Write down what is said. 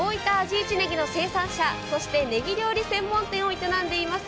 一ねぎの生産者、そしてねぎ料理専門店を営んでいます